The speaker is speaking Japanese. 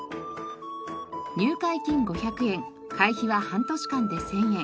入会金５００円会費は半年間で１０００円。